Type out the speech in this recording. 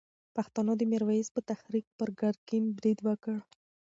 پښتنو د میرویس په تحریک پر ګرګین برید وکړ.